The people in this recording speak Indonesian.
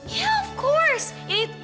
iya tentu saja